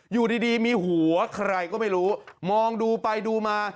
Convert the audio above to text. อยู่ดีมีหัวใครก็ไม่รู้มองดูไปดูมา